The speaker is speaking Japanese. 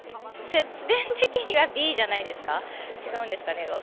節電的にはＢじゃないですか？